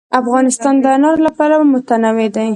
افغانستان د انار له پلوه متنوع دی.